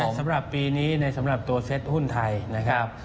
สำหรับปีนี้ในสำหรับตัวเซ็ตหุ้นไทยนะครับ